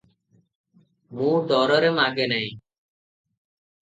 ମୁଁ ଡରରେ ମାଗେ ନାହିଁ ।